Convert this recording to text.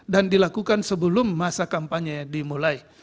dan dilakukan sebelum masa kampanye dimulai